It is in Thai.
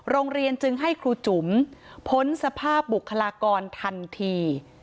โรงเรียนจึงให้ครูจุ๋มพ้นสภาพบุคลากรทันที